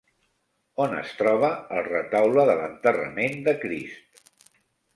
On es troba el retaule de l'Enterrament de Crist?